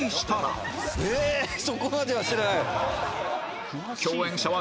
そこまでは知らない。